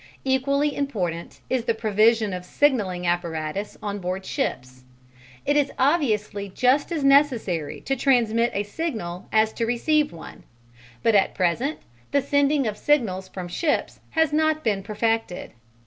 Equally important is the provision of signalling apparatus on board ships: it is obviously just as necessary to transmit a signal as to receive one; but at present the sending of signals from ships has not been perfected.